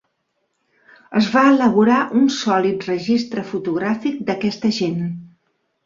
Es va elaborar un sòlid registre fotogràfic d'aquesta gent.